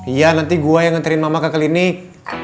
iya nanti gue yang nganterin mama ke klinik